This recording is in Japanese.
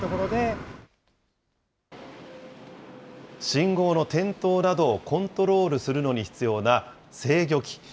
信号の点灯などをコントロールするのに必要な制御機。